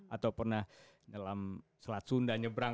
atau pernah dalam selat sunda nyebrang